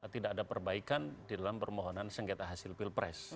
tidak ada perbaikan di dalam permohonan sengketa hasil pilpres